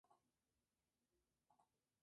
Thea reconoce que Hedda siempre le ha dado miedo.